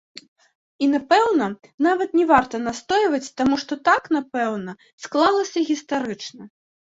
І, напэўна, нават не варта настойваць, таму што так, напэўна, склалася гістарычна.